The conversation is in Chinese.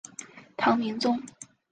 唐明宗